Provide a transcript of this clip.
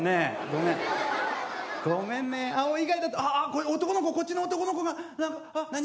ごめんね青以外だとあっ男の子こっちの男の子が何色？